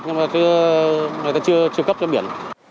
nhưng mà người ta chưa cấp cho biển